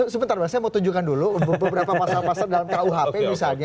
sebentar mbak saya mau tunjukkan dulu beberapa pasal pasal dalam kuhp misalnya